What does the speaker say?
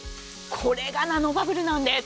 これがナノバブルなんです。